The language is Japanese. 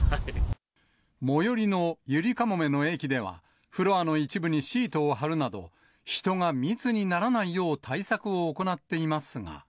最寄りのゆりかもめの駅では、フロアの一部にシートを貼るなど、人が密にならないよう対策を行っ